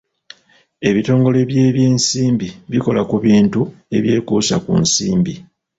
Ebitongole by'ebyensimbi bikola ku bintu ebyekuusa ku nsimbi.